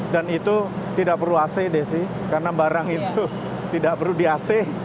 dan itu tidak perlu ac desi karena barang itu tidak perlu di ac